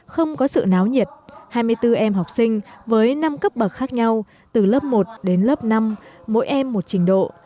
không có sự náo nhiệt hai mươi bốn em học sinh với năm cấp bậc khác nhau từ lớp một đến lớp năm mỗi em một trình độ